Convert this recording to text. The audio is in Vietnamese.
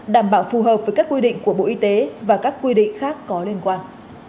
đảm bảo phù hợp với các quy định của bộ y tế và các quy định khác có liên quan